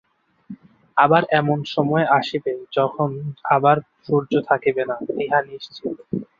আবার এমন সময় আসিবে, যখন আবার সূর্য থাকিবে না, ইহা নিশ্চিত।